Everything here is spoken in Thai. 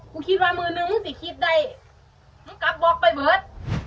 กูคิดว่ามือหนึ่งมึงสิคิดใดมึงกลับบอกไปเบิด